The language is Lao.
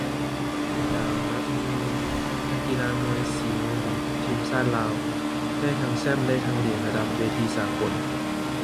ດາວມະຍູລີ ນັກກິລາມວຍສີມືດີທີມຊາດລາວ ໄດ້ທັງແຊ້ມໄດ້ທັງຫຼຽນ ລະດັບເວທີສາກົນ